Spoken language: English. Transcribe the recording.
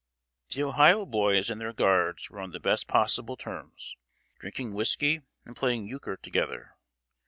The Ohio boys and their guards were on the best possible terms, drinking whisky and playing euchre together.